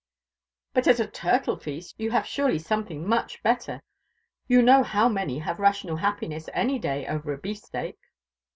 "But at a turtle feast you have surely something much better. You know you may have rational happiness any day over a beef steak."